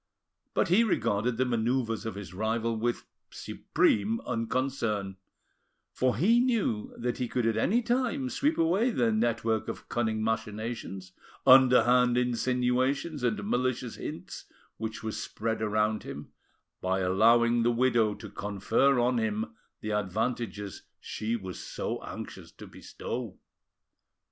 But he regarded the manoeuvres of his rival with supreme unconcern, for he knew that he could at any time sweep away the network of cunning machinations, underhand insinuations, and malicious hints, which was spread around him, by allowing the widow to confer on him the advantages she was so anxious to bestow.